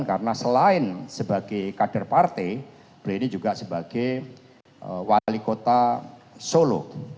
karena selain sebagai kader partai beli ini juga sebagai wali kota solo